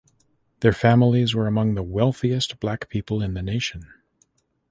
Their family were among the wealthiest Black people in the nation.